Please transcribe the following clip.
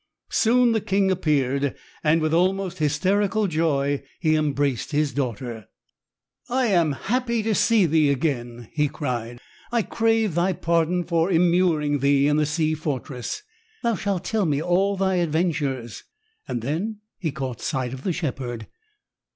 Soon the king appeared, and with almost hysterical joy he embraced his daughter. "I am happy to see thee again," he cried. "I crave thy pardon for immuring thee in the sea fortress. Thou shalt tell me all thy adventures." Then he caught sight of the shepherd.